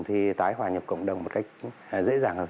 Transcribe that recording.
thì tái hòa nhập cộng đồng một cách dễ dàng hơn